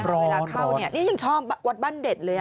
เวลาเข้าเนี่ยนี่ยังชอบวัดบ้านเด่นเลย